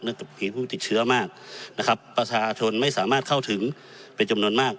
มีผู้ติดเชื้อมากนะครับประชาชนไม่สามารถเข้าถึงเป็นจำนวนมาก